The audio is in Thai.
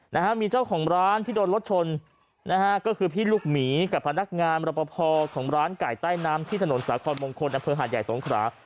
นะฮะมีเจ้าของร้านที่โดนรถชนนะฮะก็คือพี่ลูกหมีกับพนักงานรับประพอของร้านไก่ใต้น้ำที่ถนนสาคอนมงคลอำเภอหาดใหญ่สงขรา